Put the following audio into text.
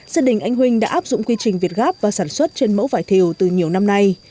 gia đình anh huynh đã áp dụng quy trình việt gáp và sản xuất trên mẫu vải thiều từ nhiều năm nay